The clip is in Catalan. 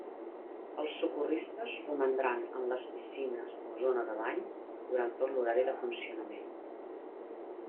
Els socorristes romandran en les piscines o zona de bany durant tot l'horari de funcionament.